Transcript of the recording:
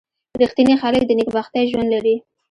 • رښتیني خلک د نېکبختۍ ژوند لري.